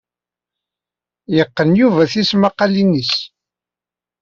Yeqqen Yuba tismaqqalin-nnes.